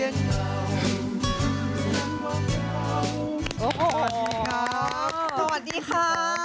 สวัสดีค่ะ